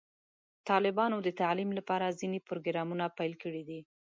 طالبانو د تعلیم لپاره ځینې پروګرامونه پیل کړي دي.